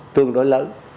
tương đối lớn